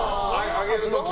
上げる時。